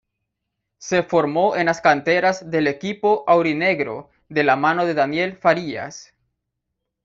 Se formó en las canteras del equipo aurinegro de la mano de Daniel Farías.